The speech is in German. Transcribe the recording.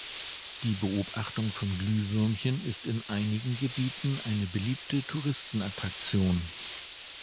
Die Beobachtung von Glühwürmchen ist in einigen Gebieten eine beliebte Touristenattraktion.